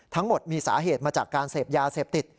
ทั้งหมดมีสาเหตุมาจากการเสพยาเสพติด